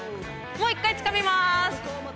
もう１回つかみまーす。